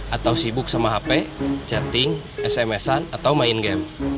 atau sibuk sama hp chatting sms an atau main game